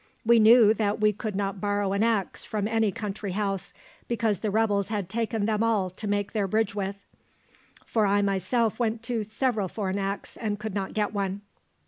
We knew that we could not borrow an axe from any country house, because the rebels had taken them all to make their bridge with; for I myself went to several for an axe, and could not get one.